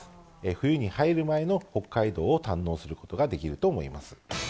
冬に入る前の北海道を堪能することができると思います。